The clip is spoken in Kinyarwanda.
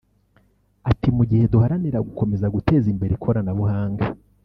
Ati “Mu gihe duharanira gukomeza guteza imbere ikoranabuhanga